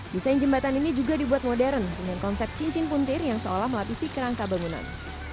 desain jembatan ini juga dibuat modern dengan konsep cincin puntir yang seolah melapisi kerangka bangunan